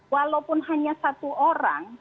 walaupun hanya satu orang